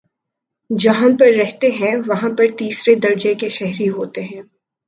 جہاں پر رہتے ہیں وہاں پر تیسرے درجے کے شہری ہوتے ہیں